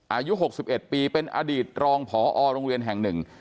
อายุหกสิบเอ็ดปีเป็นอดีตรองผอโรงเรียนแห่งหนึ่ง